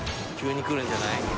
急にくるんじゃない？